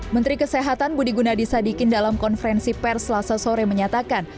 menteri kesehatan budi gunadisadikin dalam konferensi pers selasa sore menyatakan